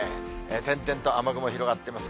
点々と雨雲広がっています。